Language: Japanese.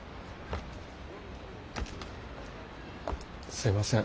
すいません。